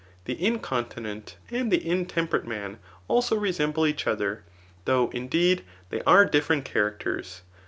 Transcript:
The incontinent, and the intemperate man, also resemble each other, though, indeed, they are diflferent characters.